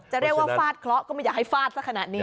เรียกว่าฟาดเคราะห์ก็ไม่อยากให้ฟาดซะขนาดนี้